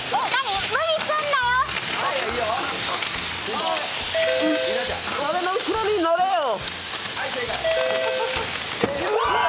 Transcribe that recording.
俺の後ろに乗れよ。